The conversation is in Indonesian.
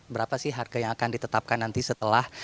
berapa sih harga yang akan ditetapkan nanti setelah